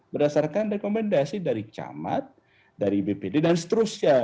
berdasarkan rekomendasi dari camat dari bpd dan seterusnya